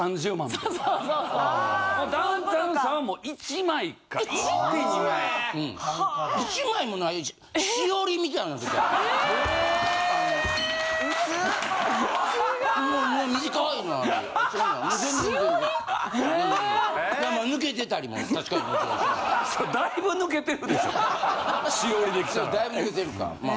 だいぶ抜けてるか。